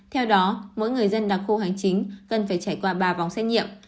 theo đó mỗi người dân đặc khu hành chính gần phải trải qua ba vòng xét nhiệm